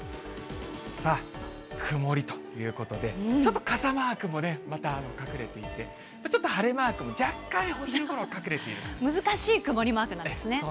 さあ、曇りということで、ちょっと傘マークもね、また隠れていて、ちょっと晴れマークも若干お昼ごろ隠れてるという。